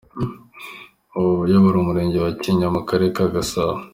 Ubu ayobora Umurenge wa Kinyinya mu Karere ka Gasabo.